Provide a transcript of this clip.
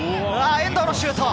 遠藤のシュート！